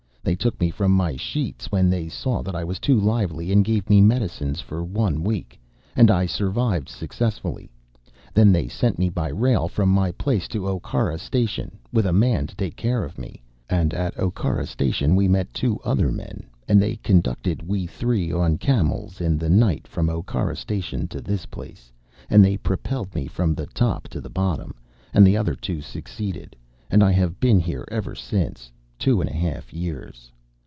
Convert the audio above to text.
They took me from my sheets when they saw that I was too lively and gave me medicines for one week, and I survived successfully. Then they sent me by rail from my place to Okara Station, with a man to take care of me; and at Okara Station we met two other men, and they conducted we three on camels, in the night, from Okara Station to this place, and they propelled me from the top to the bottom, and the other two succeeded, and I have been here ever since two and a half years.